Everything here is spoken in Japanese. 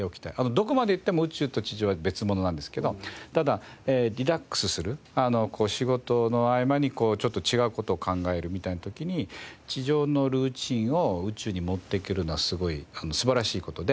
どこまで行っても宇宙と地上は別物なんですけどただリラックスする仕事の合間にちょっと違う事を考えるみたいな時に地上のルーチンを宇宙に持っていけるのはすごい素晴らしい事で。